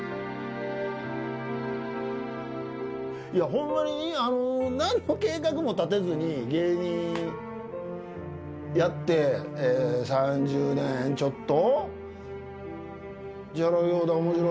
ホンマに何の計画も立てずに芸人やって３０年ちょっと。